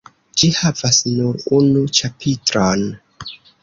Ĝi havas nur unu ĉapitron.